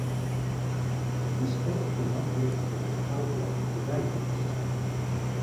Het is erg gemakkelijk om een bepaald land verwijten te maken.